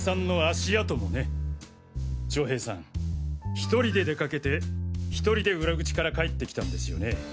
１人で出かけて１人で裏口から帰ってきたんですよね。